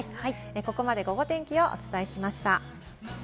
ここまで「ゴゴ天気」をお伝えしました。